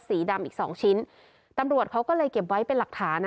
สีดำอีกสองชิ้นตำรวจเขาก็เลยเก็บไว้เป็นหลักฐาน